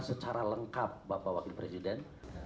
secara lengkap bapak wakil presiden